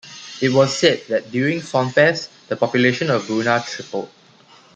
It was said that during Sonfest the population of Boonah tripled.